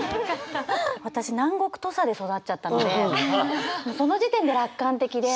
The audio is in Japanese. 私南国土佐で育っちゃったのでその時点で楽観的で。